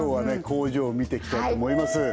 工場を見てきたいと思います